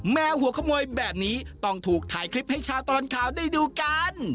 แมวหัวขโมยแบบนี้ต้องถูกถ่ายคลิปให้ชาวตลอดข่าวได้ดูกัน